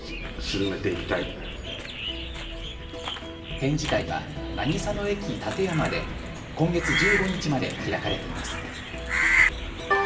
展示会は渚の駅たてやまで今月１５日まで開かれています。